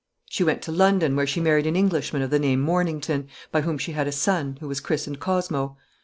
She went to London, where she married an Englishman of the name Mornington, by whom she had a son, who was christened Cosmo.